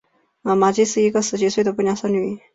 玛姬是一个十几岁的不良少女。